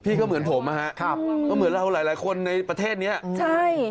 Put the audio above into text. พี่ก็เหมือนผมนะครับก็เหมือนเราหลายคนในประเทศนี้นะครับใช่